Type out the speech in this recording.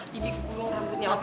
b b gulung rambutnya oke